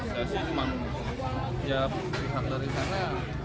saya sih cuma siap lihat dari sana